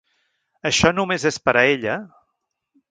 Això només és per a ella?